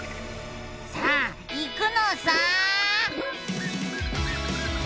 さあいくのさ！